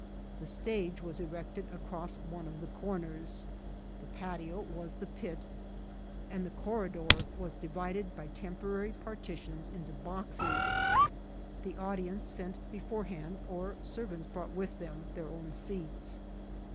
The stage was erected across one of the comers ; the patio was the pit, and the corridor was divided by temporary partitions into boxes ; the audience sent beforehand, or servants brought with them, their own seats.